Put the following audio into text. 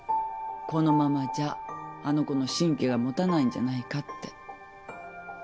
このままじゃあの子の神経が持たないんじゃないかって。